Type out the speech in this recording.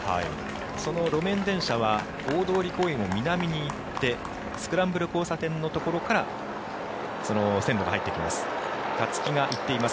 その路面電車は大通公園を南に行ってスクランブル交差点のところから線路が入ってきます。